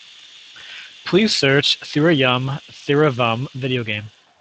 Please search Thirayum Theeravum video game.